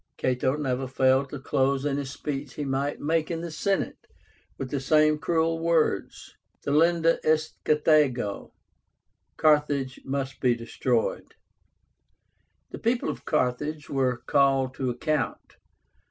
Cato never failed to close any speech he might make in the Senate with the same cruel words, Delenda est Carthago, "Carthage must be destroyed." The people of Carthage were called to account.